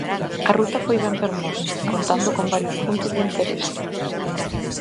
A ruta foi ben fermosa, contando con varios puntos de interese.